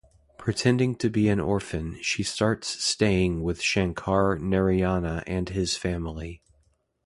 Pretending to be an orphan, she starts staying with Shankar Narayana and his family.